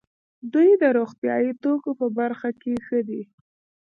دوی د روغتیايي توکو په برخه کې ښه دي.